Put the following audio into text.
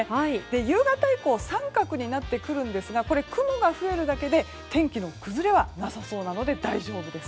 夕方以降三角になってくるんですが雲が増えるだけで天気の崩れはなさそうなので大丈夫です。